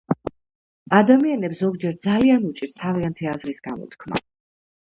ადამიანებს ზპგჯერ ძალიან უჭირთ თავიანთი აზრის გამოთქმა